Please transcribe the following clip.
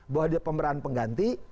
bahwa dia pemeran pengganti